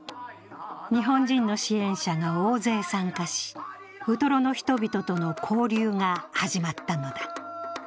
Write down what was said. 日本人の支援者が大勢参加し、ウトロの人々との交流が始まったのだ。